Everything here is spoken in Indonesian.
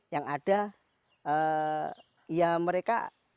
yang ada ya mereka